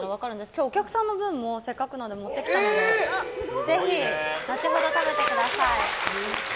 今日、お客さんの分もせっかくなので持ってきたので、ぜひ後ほど食べてください。